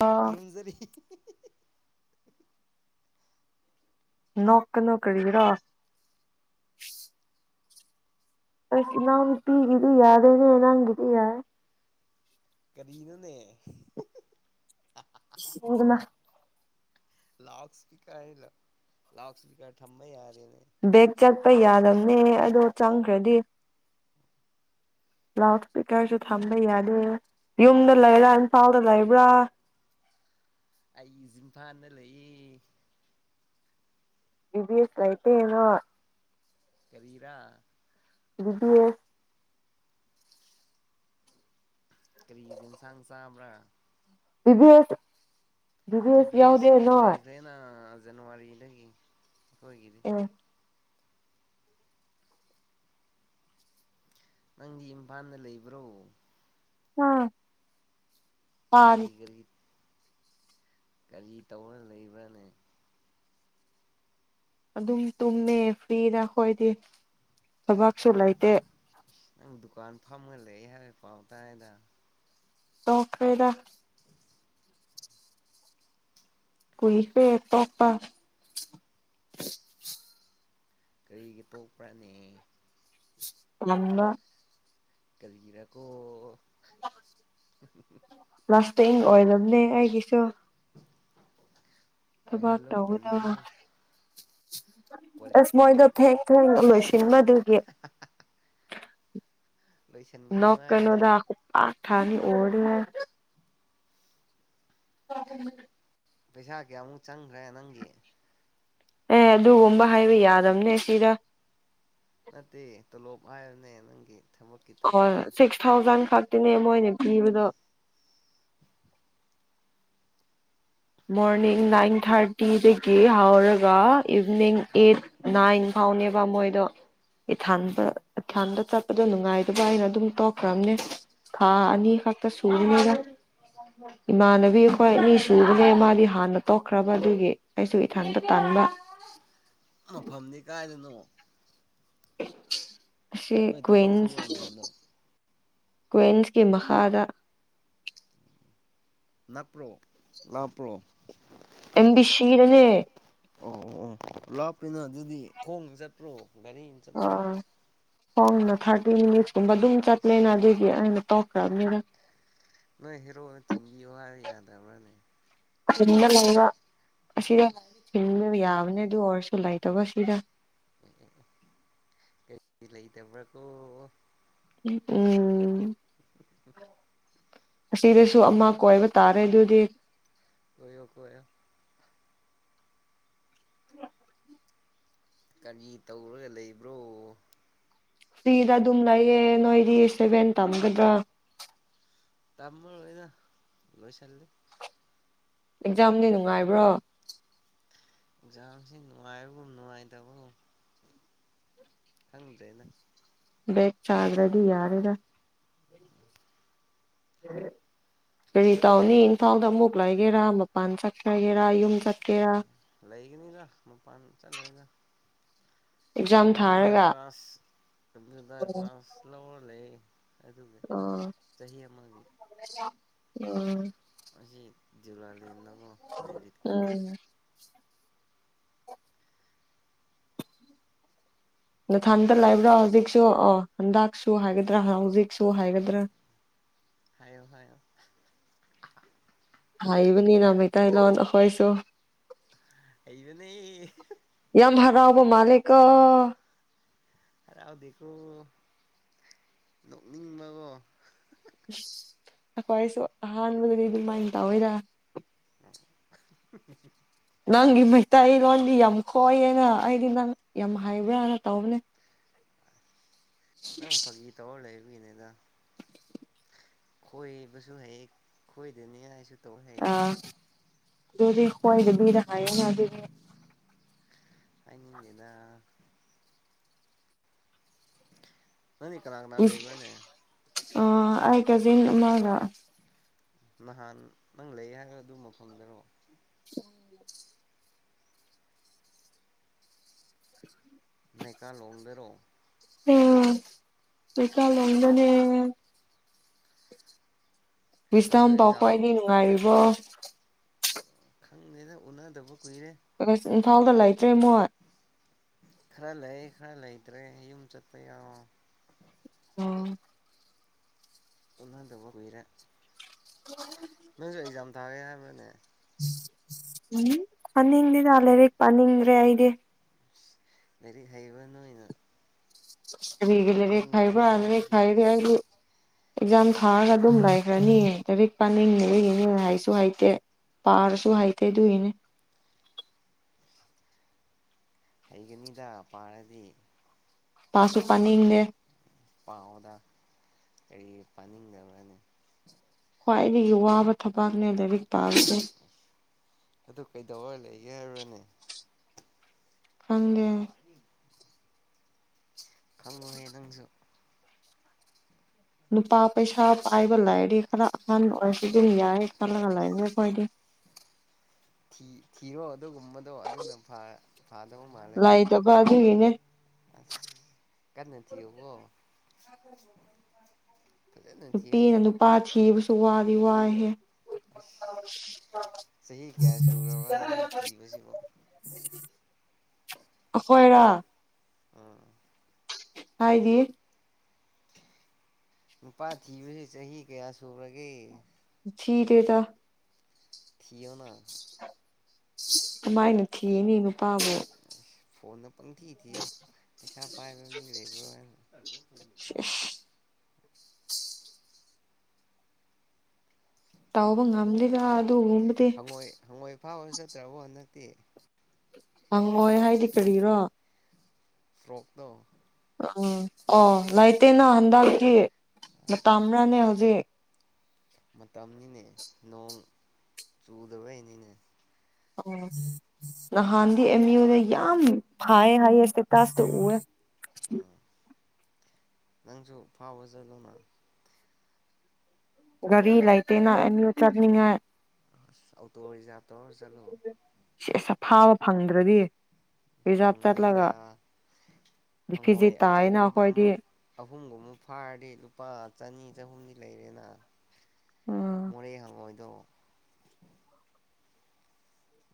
ꯑ ꯀ꯭ꯔꯨꯝꯖꯔꯤ ꯅꯀ ꯅꯧ ꯀꯔꯤꯔ ꯁ ꯅꯪ ꯄꯤꯒꯗꯤ ꯑꯗꯨꯦꯅꯦ ꯅꯪ ꯉꯗ ꯌꯥꯔꯦ ꯀꯔꯤꯅꯅꯦ ꯎ ꯑꯗꯨꯃ ꯂꯥꯎ ꯁꯄꯤꯀꯔ ꯂꯥꯎ ꯁꯄꯤꯀꯔ ꯊꯃꯔꯦ ꯕꯦꯛ ꯆꯠꯄ ꯌꯥꯂꯝꯅꯦ ꯑꯗꯣ ꯆꯪꯈ꯭ꯔꯗꯤ ꯂꯥꯎꯠ ꯏꯁꯄꯤꯀꯔꯁꯨ ꯊꯝꯕ ꯌꯥꯗꯦ ꯌꯨꯝꯗ ꯂꯩꯔꯥ ꯏꯝꯐꯥꯜꯗ ꯂꯩꯕ꯭ꯔꯥ ꯑꯩ ꯖꯤꯝꯐꯥꯅ ꯂꯩꯌꯦ ꯕꯤꯕꯤ ꯑꯦꯁ ꯂꯩꯏꯇꯦꯅꯣ ꯔꯥ ꯗꯤꯌꯦ ꯀꯔꯤꯁꯦ ꯏꯟꯁꯥꯡ ꯆꯥꯕ꯭ꯔꯥ ꯕꯤꯚꯦꯠ ꯕꯤꯕꯤ ꯑꯦꯁ ꯂꯣꯈ꯭ꯔꯦꯅ ꯖꯅꯋꯥꯔꯤ ꯅꯗꯒꯤ ꯍꯣꯏꯒꯗꯤ ꯅꯪꯗꯤ ꯏꯝꯐꯥꯜꯗ ꯂꯩꯕ꯭ꯔꯣ ꯑꯥ ꯀꯔꯤꯒꯤ ꯀꯔꯤ ꯀꯔꯤ ꯇꯧꯔ ꯂꯩꯕ꯭ꯔꯥꯅꯦ ꯑꯗꯨꯝ ꯇꯨꯝꯃꯦ ꯐ꯭ꯔꯤꯗ ꯑꯩꯈꯣꯏꯗꯤ ꯊꯕꯛꯁꯨ ꯂꯩꯇꯦ ꯅꯪ ꯗꯨꯀꯥꯟ ꯐꯝꯃ ꯂꯩ ꯑꯩ ꯍꯥꯏꯕꯦ ꯄꯥꯎ ꯇꯥꯏꯗ ꯑꯣ ꯀꯣꯏꯗ ꯀꯏ ꯐꯦ ꯄꯥꯄ ꯀꯔꯤꯒꯤ ꯇꯣꯛꯄ꯭ꯔꯥꯅꯦ ꯃꯅ ꯀꯜꯒꯤꯔꯥ ꯀꯣ ꯄꯤꯡ ꯑꯣꯏꯂꯝꯅꯦ ꯑꯩꯒꯤꯁꯨ ꯊꯕꯥ ꯑꯣꯏꯍꯜꯂꯣ ꯇ ꯎꯗ ꯎꯝ ꯀꯔꯤꯅꯣ ꯑꯁ ꯀ꯭ꯋꯥꯂꯤꯇꯤ ꯃꯣꯏꯗꯣ ꯂꯩꯇꯕ ꯊꯦꯡ ꯊꯦꯡ ꯂꯣꯏꯁꯤꯟꯕꯗꯨꯒꯤ ꯂꯣꯏꯁꯤꯟꯒꯅꯨ ꯅꯣ ꯍꯥꯏꯌꯨꯅꯦ ꯀꯅꯣꯗ ꯎꯄ ꯃ ꯊꯥꯅꯤ ꯑꯣꯔ ꯍ ꯄꯩꯁꯥ ꯀꯌꯥꯃꯨꯛ ꯆꯪꯈ꯭ꯔꯦ ꯅꯪꯒꯤ ꯑꯦ ꯑꯗꯨꯒꯨꯝꯕ ꯍꯥꯏꯕ ꯌꯥꯗꯕꯅꯦ ꯁꯤꯗ ꯅꯠꯇ ꯇ ꯂꯣ ꯍꯥꯏꯅꯦ ꯅꯪꯒꯤ ꯊꯕꯛꯀꯤ ꯈ ꯇꯣꯂꯣꯞꯇꯣ ꯁꯤꯁ ꯊꯥꯎꯖ ꯐ ꯅꯦ ꯃꯣꯏꯅ ꯄꯤꯕꯗꯣ ꯃꯣꯔꯅꯤꯡ ꯐꯩꯅꯦ ꯅꯥꯏꯟ ꯊꯔꯇꯤ ꯤ ꯍꯧꯥꯎꯔꯒ ꯏꯚꯅꯤꯡ ꯑꯦꯠ ꯅꯥꯏꯟ ꯐꯥꯎꯅꯦꯕ ꯃꯣꯏꯗꯣ ꯏꯊꯥꯟꯕ ꯏꯊꯥꯟꯕ ꯆꯠꯄꯗꯣ ꯅꯨꯡꯉꯥꯏꯗꯕ ꯍꯥꯏꯅ ꯑꯗꯨꯝ ꯇꯧꯈ꯭ꯔꯕꯅꯦ ꯊꯥ ꯑ ꯐ ꯅꯤ ꯏꯃꯥꯟꯅꯕꯤ ꯑꯩꯈꯣꯏ ꯑꯅꯤ ꯁꯨꯕꯅꯤ ꯦ ꯃꯥꯗꯤ ꯍꯥꯟꯅ ꯇꯣꯛꯈ꯭ꯔꯕ ꯑꯗꯨꯒꯤ ꯑꯩꯁꯨ ꯏꯊꯟꯇ ꯇꯟꯥꯟꯕ ꯃꯐꯝꯗꯤ ꯀꯥꯏꯗꯅꯣ ꯁꯤ ꯅꯣꯏ ꯊꯕꯛ ꯁꯨꯕ ꯀ꯭ꯋꯤꯟꯁ ꯃꯐꯝꯗꯣ ꯀ꯭ꯋꯟꯁꯀꯤ ꯃꯍꯍꯥꯔꯥ ꯅꯅꯥꯄ꯭ꯔꯣ ꯂꯞꯄ꯭ꯔꯣ ꯑꯦꯝ ꯕꯤ ꯁꯤꯗꯅꯦ ꯑꯣ ꯑꯣ ꯑꯣ ꯂꯥꯞꯄꯅ ꯑꯗꯨꯗꯤ ꯈꯣꯡ ꯆꯠꯄ꯭ꯔꯣ ꯒꯥꯔꯤ ꯏ ꯆꯄ꯭ꯔꯣ ꯍꯣꯡꯅ ꯊꯥꯔꯇꯤ ꯃꯤꯅꯤꯠꯁꯀꯨꯝꯕ ꯑꯗꯨꯝ ꯆꯠꯂꯦꯅ ꯑꯗꯨꯗꯤ ꯑꯩꯅ ꯇꯧꯈ꯭ꯔꯕꯅꯤꯗ ꯅꯣꯏ ꯍꯦꯔꯣꯛꯅ ꯊꯤꯟꯕꯤꯌꯣ ꯍꯥꯏ ꯌꯥꯗꯕ꯭ꯔꯥꯅꯦ ꯗ ꯂꯩꯕ ꯑꯁꯤꯗꯕ ꯌꯥꯕꯅꯦ ꯑꯗꯨ ꯑꯣꯏꯔꯁꯨ ꯂꯩꯇꯕ ꯁꯤꯗ ꯀꯔꯤ ꯂꯩꯇꯕ꯭ꯔꯀꯣ ꯎꯝ ꯑꯁꯤꯗꯁꯨ ꯑꯃ ꯀꯣꯏꯕ ꯇꯥꯔꯦ ꯑꯗꯨꯗꯤ ꯀꯣꯏꯀ ꯑꯣꯏ ꯀꯔꯤ ꯇꯧꯔꯒ ꯂꯩꯕ꯭ꯔꯣ ꯐꯤꯗ ꯑꯗꯨꯝ ꯂꯩꯌꯦ ꯅꯣꯏꯗꯤꯁꯇꯦꯚꯦꯟ ꯇꯝꯒꯗ꯭ꯔꯥ ꯇꯥꯃ ꯑꯣꯏꯅ ꯂꯣꯏ ꯆꯂ ꯑꯦꯛꯖꯥꯝꯗꯤ ꯅꯨꯡꯉꯥꯏꯕ꯭ꯔꯣ ꯌꯥꯝꯝꯁꯤ ꯅꯅꯨꯡꯉꯥꯏꯔꯤꯕ ꯅꯨꯡꯉꯥꯏ ꯇꯕꯣ ꯈꯪꯗꯦꯅ ꯕꯦꯛ ꯆꯥꯗ꯭ꯔꯗꯤ ꯌꯥꯔꯦꯗ ꯀꯔꯤ ꯇꯧꯅꯤ ꯏꯝꯐꯥꯜꯗ ꯑꯃꯨꯛ ꯂꯥꯏꯒꯦꯔꯥ ꯃꯄꯥꯟ ꯆꯠꯈ꯭ꯔꯒꯦꯔꯥ ꯌꯨꯝꯗ ꯂꯩꯒꯅꯤꯗ ꯃꯄꯥꯟ ꯆꯠꯂꯣꯏꯗ ꯑꯦꯛꯖꯥꯝ ꯀꯝꯄꯌꯨꯇꯔ ꯊꯥꯔꯒ ꯀ꯭ꯂꯥꯁ ꯀꯝꯄꯨꯇꯔ ꯀ꯭ꯂꯥꯁ ꯂꯧꯔ ꯂꯩ ꯑꯗꯨꯒ ꯑ ꯆꯍꯤ ꯑꯃꯒꯤ ꯎꯝ ꯍꯧꯖꯤꯛ ꯖꯤꯕꯥ ꯎꯝ ꯅꯊꯟꯗ ꯂꯩꯕ꯭ꯔꯥ ꯍꯧꯖꯤꯛꯁꯨ ꯑꯣ ꯍꯟꯗꯛꯁꯨ ꯍꯥꯏꯒꯗ꯭ꯔꯥ ꯍꯧꯖꯤꯛꯁꯨ ꯍꯥꯏꯒꯗ꯭ꯔꯥ ꯍꯥꯏꯌꯣ ꯍꯥꯏꯌꯣ ꯍꯥꯏꯕꯅꯤ ꯅ ꯃꯩꯇꯩ ꯂꯣꯟꯁꯨ ꯑꯈꯣꯏꯁꯨ ꯍꯩꯕꯅꯦ ꯉꯥꯎꯕ ꯃꯥꯜꯂꯦꯀꯣ ꯍꯔꯥꯎꯗꯦꯀꯣ ꯅꯣꯛꯅꯤꯡꯕ ꯑꯃ ꯑꯩꯈꯣꯏꯁꯨ ꯑꯍꯥꯟꯕꯗꯗꯤ ꯑꯗꯨꯃꯥꯏꯅ ꯇꯧꯋꯦꯗ ꯑ ꯅꯪꯒꯤ ꯃꯩꯇꯩꯂꯣꯟꯗꯤ ꯌꯥꯝ ꯈꯌꯦꯅ ꯑꯩꯗꯤ ꯅꯪ ꯌꯥꯝ ꯍꯩꯕ꯭ꯔꯥꯅ ꯇꯧꯕꯅꯦ ꯅꯪ ꯐꯒꯤ ꯇꯧꯔ ꯂꯩ ꯗ ꯈꯣꯏꯕꯁꯨ ꯍꯩ ꯈꯣꯏꯗꯅꯤꯡꯉꯥꯏꯁꯨ ꯇꯧ ꯍꯩ ꯑ ꯑꯗꯨꯗꯤ ꯈ꯭ꯋꯥꯏꯗꯕꯤꯗ ꯍꯥꯏꯌꯨꯅ ꯑꯗꯨꯗꯤ ꯇꯥꯅꯤꯡꯗꯦꯗ [inaudible] ꯅꯪꯗꯤ ꯀꯅꯥ ꯀꯅꯥ ꯂꯩꯕꯔꯅꯦ ꯑ ꯑꯩ ꯀꯖꯤꯟ ꯑꯃꯒ ꯅꯍꯥꯟ ꯅꯪ ꯂꯩ ꯍꯥꯏꯔꯣ ꯑꯗꯨ ꯃꯐꯝꯗꯔꯣ ꯎꯝ ꯅꯩꯀꯥ ꯂꯣꯟꯗꯔꯣ ꯎꯝ ꯀꯀꯜꯗꯅꯦ ꯄꯁ ꯇ ꯅꯪꯁꯨ ꯑꯦꯛꯖꯥꯝ ꯄꯥꯎꯄꯋꯥꯥꯏꯗꯤ ꯅꯅꯨꯡꯉꯥꯏ ꯋꯥ ꯈꯪꯗꯦꯗ ꯎꯅꯗꯕ ꯀꯨꯏꯔꯦ ꯐꯥꯎꯗ ꯂꯩꯇꯔꯦ ꯃꯣꯏ ꯈꯔ ꯂꯩ ꯈꯔ ꯂꯩꯇ꯭ꯔꯦ ꯌꯨꯝ ꯆꯠꯄ ꯌꯥꯑꯣ ꯑꯣ ꯎꯅꯗꯕ ꯀꯨꯏꯔꯦ ꯅꯪꯁꯨ ꯑꯦꯛꯖꯥꯝ ꯊꯥꯒꯦ ꯍꯥꯏꯕꯔꯅꯦ ꯎꯝ ꯄꯥꯅꯤꯡꯗꯦꯗ ꯂꯥꯏꯔꯤꯛ ꯄꯅꯤꯡꯗꯔꯦ ꯑꯩꯗꯤ ꯂꯩꯔꯤ ꯍꯩꯕꯅ ꯅꯣꯏꯅ ꯀꯔꯤꯒꯤ ꯂꯩꯔꯤꯛ ꯊꯥꯅꯤꯡꯗ꯭ꯔꯦ ꯍꯩꯕꯔꯥ ꯂꯩꯔꯤꯛ ꯍꯥꯏꯔꯗꯤ ꯍꯩꯔꯗꯤ ꯑꯩꯁꯨ ꯑꯦꯛꯖꯥꯝ ꯊꯥꯔꯒ ꯑꯗꯨꯝ ꯂꯩꯈ꯭ꯔꯅꯤ ꯂꯥꯏꯔꯤꯛ ꯄꯥꯅꯤꯡꯅꯤ ꯑꯗꯨꯒꯤꯅꯤ ꯍꯥꯏꯁꯨ ꯍꯥꯏꯩꯇꯦ ꯄꯥꯔꯁꯨ ꯍꯥꯏꯇꯦ ꯑꯗꯨꯒꯤꯅꯦ ꯍꯩꯒꯅꯤꯗ ꯄꯥꯔꯗꯤ ꯄꯥꯁꯨꯄꯥꯅꯤꯗꯦ ꯄꯥꯎꯥꯎꯗ ꯀꯔꯤ ꯄꯥꯅꯤꯡꯗꯕꯅꯤ ꯈ꯭ꯋꯥꯏꯗꯒꯤ ꯋꯥꯕ ꯊꯕꯥꯛꯅꯦ ꯂꯥꯏꯔꯤꯛ ꯄꯥꯁꯦ ꯑꯗꯨ ꯀꯩꯗꯧꯋꯥ ꯂꯩꯒꯦ ꯍꯥꯏꯔꯨꯔꯅꯦ ꯐꯪꯒꯦ ꯈꯪꯉꯨꯍꯦ ꯅꯪꯁꯨ ꯅꯨꯄꯥ ꯄꯩꯁꯥ ꯄꯥꯏꯕ ꯂꯩꯔꯗꯤ ꯈꯔ ꯑꯍꯟ ꯑꯣꯏꯔꯁꯨ ꯑꯗꯨꯝ ꯌꯥꯏ ꯈꯜꯂꯒ ꯂꯩꯅꯦ ꯑꯩꯈꯣꯏꯗꯤ ꯊ ꯊꯔꯣ ꯑꯗꯨꯒꯨꯝꯕꯗꯣ ꯑꯗꯨꯅ ꯐꯥꯗꯕ ꯃꯥꯜꯂꯦ ꯂꯩꯇꯕ ꯑꯗꯨꯒꯤꯅꯦ ꯑꯁ ꯀꯟꯅ ꯊꯤꯌꯣꯕꯣ ꯐꯖꯅ ꯊꯤꯌꯨ ꯅꯨꯄꯤꯅ ꯅꯨꯄꯥ ꯊꯤ ꯁꯋꯥꯕꯤ ꯋꯥꯍ ꯑꯁ ꯆꯍꯤ ꯀꯌꯥ ꯁꯨꯔꯕ꯭ꯔꯥ ꯅꯪ ꯊꯤꯕꯁꯤꯕꯣ ꯈꯣꯏꯔꯥ ꯎꯝ ꯍꯗ ꯅꯨꯄꯥ ꯊꯤꯕꯁꯦ ꯆꯍꯤ ꯀꯌꯥ ꯁꯨꯔꯒꯦ ꯊꯗꯦ ꯆ ꯊꯤꯑꯣꯅ ꯀꯃꯥꯏꯅ ꯊꯤꯅꯤ ꯅꯨꯄꯥꯕꯨ ꯐꯣꯟ ꯄꯪ ꯊꯤꯗꯤꯣ ꯄꯁꯥ ꯄꯥꯏꯕ ꯃꯤꯡ ꯂꯩꯕ꯭ꯔꯣ ꯍꯥꯏꯅ [unintelligible] ꯇꯥꯎꯑꯣꯕ ꯉꯝꯂꯤ [unintelligible] ꯍꯪꯉꯣꯏ ꯍꯪꯣꯏ ꯑꯐꯥꯎꯕ ꯆꯠꯇ꯭ꯔꯕꯣ ꯍꯟꯗꯛꯇꯤ ꯍꯪꯉꯣꯏ ꯍꯥꯏꯗꯤ ꯀꯔꯤꯔꯣ ꯐ꯭ꯔꯣꯛꯗ ꯎꯝ ꯑꯣ ꯂꯩꯇꯦꯅ ꯍꯟꯗꯛꯀꯤ ꯃꯇꯝꯥ ꯑꯃ꯭ꯔꯥꯅꯦ ꯍꯧꯖꯤꯛ ꯃꯇꯝꯅꯤꯅꯦ ꯅꯣꯡ ꯆꯨꯗꯕꯩꯅꯤꯅꯦ ꯑꯣ ꯅꯍꯥꯟꯗꯤ ꯑꯦꯃꯤ ꯑꯣꯅ ꯌꯥꯝ ꯐꯌꯦ ꯍꯌꯦ ꯇ ꯇꯥꯁ ꯎ ꯎ ꯑꯥ ꯅꯪꯁꯨ ꯐꯥꯎꯕ ꯆꯠꯂꯨꯅ ꯒꯥꯔꯤ ꯂꯩꯥꯏꯇꯦꯅ ꯑꯦꯅꯤ ꯆꯠꯅꯤꯡꯉ ꯑꯣꯇꯣ ꯔꯤꯖꯥꯚ ꯇꯔ ꯆꯂꯣ ꯁꯤꯁꯐꯥꯕ ꯐꯪꯗ꯭ꯔꯗꯤ ꯔꯤꯖꯥꯚ ꯐꯪꯒꯅꯤꯗ ꯆꯠꯂꯒ ꯐꯤꯖꯤ ꯇꯥꯏꯅ ꯑꯩꯈꯣꯏꯗꯤ ꯑꯍꯨꯝꯒꯨꯝꯃꯨꯛ ꯐꯥꯔꯗꯤ ꯂꯨꯄꯥ ꯆꯅꯤ ꯆꯍꯨꯝꯗꯤ ꯂꯩꯔꯦꯅ ꯎꯝ ꯃꯣꯔꯦ ꯍꯉꯣꯏ ꯗꯣ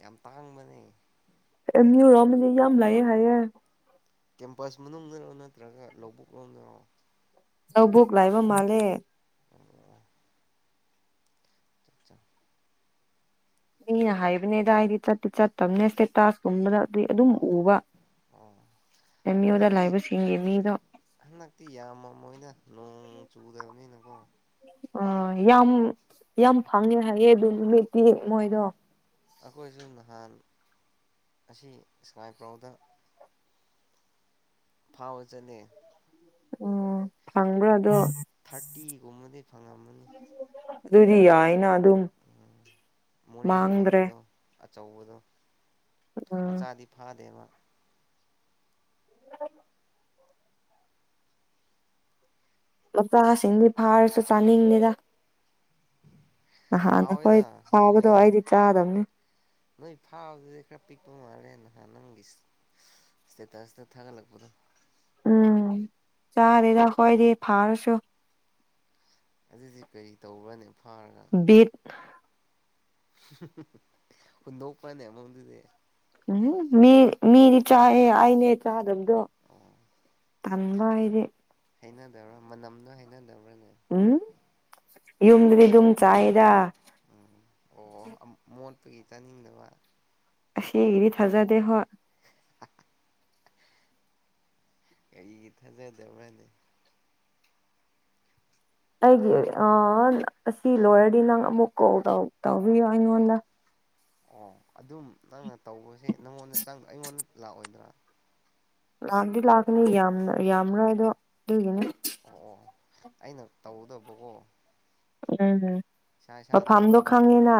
ꯌꯥꯝ ꯇꯥꯡꯕꯅꯦ ꯑꯦꯝ ꯌꯨ ꯔꯣꯝꯗ ꯌꯥꯝ ꯂꯥꯛꯌꯦ ꯍꯥꯏꯌꯦ ꯀꯦꯝꯄꯁ ꯃꯅꯨꯡꯗꯔꯣ ꯅꯠꯇ꯭ꯔꯒ ꯂꯧꯕꯨꯛ ꯂꯣꯝꯗꯔꯣ ꯂꯧꯕꯨꯛ ꯂꯩꯕ ꯃꯥꯂꯦ [unintelligible] ꯃꯤꯅ ꯍꯥꯏꯕꯅꯦꯗ ꯍꯥꯏꯗꯤ ꯆꯠꯇꯤ ꯆꯠꯇꯕꯅꯦ ꯏꯁꯇꯦꯇꯥꯁꯀꯨꯝꯕꯗ ꯑꯗꯨ ꯑꯗꯨꯝ ꯎꯕ ꯑꯣ ꯑꯦꯝ ꯌꯨꯗ ꯍꯟꯗꯛꯇꯤ ꯂꯩꯕꯁꯤꯡꯒꯤ ꯃꯤꯗꯣ ꯍꯟꯗꯛꯇꯤ ꯌꯥꯝꯃ ꯃꯣꯏꯅ ꯅꯣꯡ ꯆꯨꯗꯃꯤꯅ ꯀꯣ ꯑ ꯌꯥꯝ ꯌꯥꯝ ꯐꯪꯉꯦ ꯍꯥꯏꯌꯦ ꯑꯗꯨ ꯅꯨꯃꯤꯠꯇꯤ ꯃꯣꯏꯗꯣ ꯑꯩꯈꯣꯏꯁꯨ ꯅꯍꯥꯟ ꯑꯁꯤ ꯏꯁꯀꯥꯏ ꯄ꯭ꯔꯥꯎꯗ ꯐꯥꯎꯖꯅꯦ ꯎꯝ ꯐꯪꯕ꯭ꯔꯣ ꯑꯗꯣ ꯊꯥꯔꯇꯤꯒꯨꯝꯕꯗꯤ ꯐꯪꯉꯝꯃꯅꯤ ꯑꯗꯨꯗꯤ ꯌꯥꯏꯑꯦꯅ ꯃꯣꯔꯦ ꯃꯥꯡꯗ꯭ꯔꯦ ꯍꯪꯉꯣꯏꯗꯣ ꯑꯆꯧꯕꯗꯣ ꯎꯝ ꯃꯆꯥꯗꯤ ꯐꯥꯗꯦꯕ [unintelligible] ꯃꯆꯥꯁꯤꯡꯗꯤ ꯐꯥꯔꯁꯨ ꯆꯥꯅꯤꯡꯗꯦꯗ ꯅꯍꯥꯟ ꯑꯩꯈꯣꯏ ꯍꯥꯎꯋꯦꯗ ꯐꯥꯕꯗꯣ ꯍꯪꯉꯣꯏꯗꯤ ꯑꯩꯗꯤ ꯆꯥꯗꯕꯅꯤ ꯅꯣꯏ ꯐꯥꯕꯗꯨꯗꯤ ꯈꯔ ꯄꯤꯛꯄ ꯃꯥꯜꯂꯦ ꯅꯪ ꯁꯇꯦꯇꯥꯁ ꯊꯥꯒꯂꯛꯄꯅꯣ ꯎꯝ ꯆꯥꯗꯦꯗ ꯑꯩꯈꯣꯏꯗꯤ ꯐꯥꯔꯁꯨ ꯑꯗꯨꯗꯤ ꯀꯔꯤ ꯇꯧꯕꯅꯦ [unintelligible] ꯍꯨꯟꯗꯣꯛꯄꯅꯤ ꯎꯝ ꯃꯤ ꯃꯤꯗꯤ ꯆꯥꯏꯌꯦ ꯑꯩꯅꯦ ꯆꯥꯗꯕꯗꯣ ꯑꯣ ꯇꯟꯕ ꯑꯩꯗꯤ ꯍꯩꯅꯗꯕ꯭ꯔꯥ ꯃꯅꯝꯗꯣ ꯍꯩꯅꯗꯕ꯭ꯔꯥ ꯎꯝ ꯌꯨꯝꯗꯗꯤꯗꯨꯝ ꯆꯥꯌꯦꯗ ꯎꯝ ꯑꯣ ꯏ ꯇꯥꯅꯤꯡꯗ ꯋꯥ ꯑꯁꯤꯒꯤꯗꯤ ꯊꯥꯖꯗꯦ ꯍꯣꯏ [unintelligible] ꯀꯔꯤꯒꯤ ꯊꯥꯖꯗꯕꯅꯦ ꯑꯩꯒꯤ ꯑꯁꯤ ꯂꯣꯏꯔꯗꯤ ꯅꯪ ꯑꯃꯨꯛ ꯀꯣꯜ ꯇꯧꯕꯤꯌꯣ ꯑꯩꯉꯣꯟꯗ ꯑꯣ ꯑꯗꯨꯝ ꯅꯪꯅ ꯇꯧꯕꯁꯦ ꯅꯪꯉꯣꯟꯗ ꯆꯪ ꯑꯩꯉꯣꯟꯗ ꯂꯥꯛꯑꯣꯏꯗ꯭ꯔꯥ ꯂꯥꯛꯗꯤ ꯂꯥꯛꯀꯅꯤ ꯌꯥꯝꯅ ꯌꯥꯝꯔꯣꯏ ꯍꯥꯏ ꯑꯗꯣ ꯑꯗꯨꯒꯤꯅꯤ ꯑꯣ ꯑꯣ ꯑꯩꯅ ꯇꯧꯗꯕꯀꯣ ꯎꯝꯝ ꯃꯐꯝꯗꯣ ꯇꯧꯗꯕ ꯈꯪꯉꯦꯅ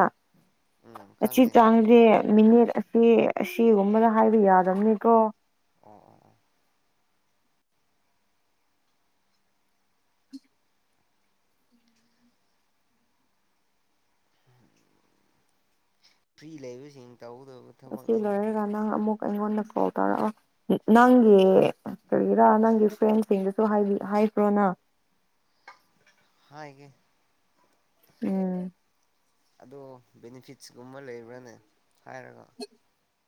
ꯎꯝ ꯑꯁꯤ ꯈꯪꯉꯦ ꯆꯥꯡꯁꯦ ꯃꯤꯅꯦꯠ ꯑꯁꯤ ꯆꯦꯒꯨꯝꯕꯗ ꯍꯥꯏꯕ ꯌꯥꯗꯕꯅꯤꯀꯣ ꯑꯣ ꯑꯣ ꯑꯣ ꯐꯔꯤ ꯂꯩꯕ ꯑꯁꯤ ꯂꯔ ꯔꯅꯅꯥ ꯑꯃꯨꯛ ꯑꯩꯉꯣꯟꯗ ꯀꯣꯜ ꯇꯧꯔꯛ ꯅꯪꯒꯤ ꯀꯔꯤꯒꯤꯔꯥ ꯅꯪꯒꯤ ꯐ꯭ꯔꯦꯟꯁꯤꯡꯗꯁꯨ ꯍꯥꯏꯕ꯭ꯔꯣꯅ ꯍꯒꯤꯦ ꯎꯝ ꯑꯗꯣ ꯕꯦꯅꯤꯐꯤꯠꯁꯒꯨꯝꯕ ꯂꯩꯕ꯭ꯔꯥꯅꯦ ꯍꯥꯏꯥꯏꯔꯒ